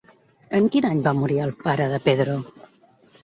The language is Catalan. En quin any va morir el pare de Pedro?